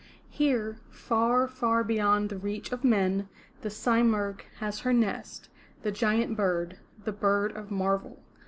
Here, far, far beyond the reach of men, the Si murgh' has her nest, the giant bird, the bird of marvel.